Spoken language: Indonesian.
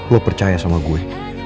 lo percaya sama gue